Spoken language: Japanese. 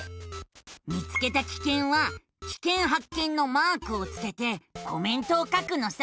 見つけたキケンはキケンはっけんのマークをつけてコメントを書くのさ。